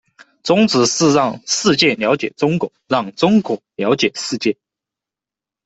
宗旨是“让世界了解中国，让中国了解世界”。